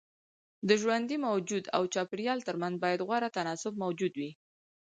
د ژوندي موجود او چاپيريال ترمنځ بايد غوره تناسب موجود وي.